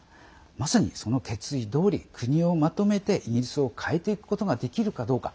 まさに、その決意どおり国をまとめてイギリスを変えていくことができるかどうか。